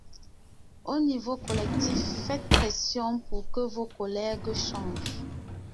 Au niveau collectif, faites pression pour que vos collègues changent